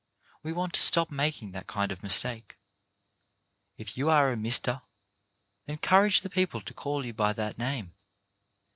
We want to stop making that kind of mistake. If you are a mister, encourage the people to call you by that title.